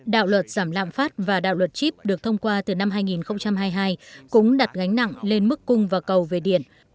đạo luật giảm lạm phát và đạo luật chip được thông qua từ năm hai nghìn hai mươi hai cũng đặt gánh nặng lên mức cung và cầu về điện